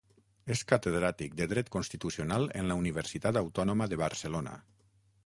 És Catedràtic de Dret constitucional en la Universitat Autònoma de Barcelona.